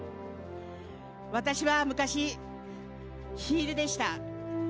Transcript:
私は昔、ヒールでした。